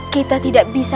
kita tidak bisa